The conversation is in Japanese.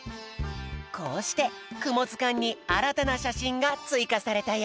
こうしてくもずかんにあらたなしゃしんがついかされたよ。